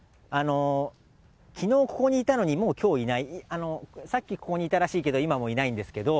きのうここにいたのに、もうきょういない、さっきここにいたらしいけど、今もういないんですけれども。